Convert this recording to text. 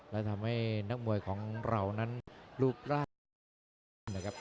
และทำให้นักมวยของเรานั้นรูปร่าว